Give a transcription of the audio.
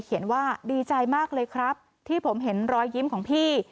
เขียนว่าดีใจมากเลยครับที่ผมเห็นรอยยิ้มของพี่